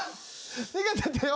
逃げてってよ。